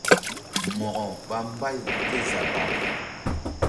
Mo̧ko ɓa mbay kézabaw.